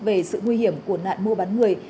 về sự nguy hiểm của nạn mua bán người